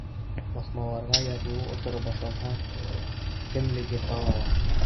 Баҫмаларға яҙылыу осоро башланһа, кемлеге таныла.